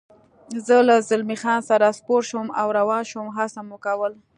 زه له زلمی خان سره سپور شوم او روان شو، هڅه مو کول.